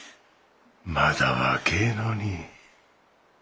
まだ若えのに。